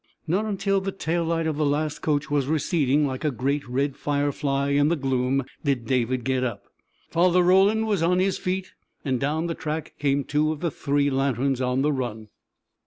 Not until the tail light of the last coach was receding like a great red firefly in the gloom did David get up. Father Roland was on his feet, and down the track came two of the three lanterns on the run.